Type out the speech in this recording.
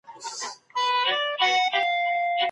د عقد له وخته څخه د نفقې وجوب څنګه دی؟